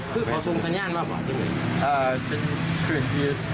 คือขอส่งสัญญาณมากหรือเปล่า